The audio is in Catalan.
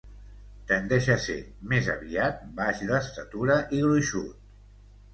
Tendeix a ser, més aviat, baix d'estatura i gruixut.